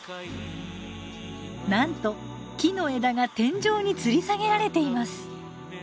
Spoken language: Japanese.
なんと木の枝が天井につり下げられています。